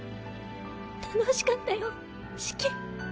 楽しかったよシキ。